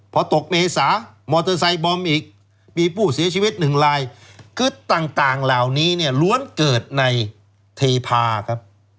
พอตกเมษามอเตอร์ไซค์บอมอีกมีผู้เสียชีวิตหนึ่งลายคือต่างเหล่านี้เนี่ยล้วนเกิดในเทพาครับ